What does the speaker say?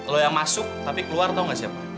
lo yang masuk tapi keluar tau gak siapa